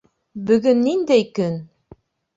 Бөгөн ниндәй көн?